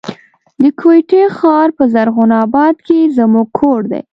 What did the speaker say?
د کوټي ښار په زرغون آباد کي زموږ کور دی.